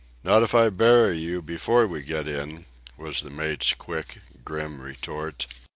"Not if I bury you before we get in," was the mate's quick, grim retort.